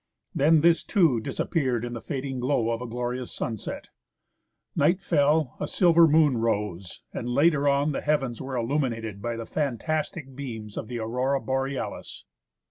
Then this too dis appeared in the fading glow of a glorious sunset ; night fell, a silver moon rose, and later on the heavens were illuminated by the fantastic beams of the Aurora Borealis.